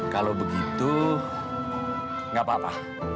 kalau begitu nggak apa apa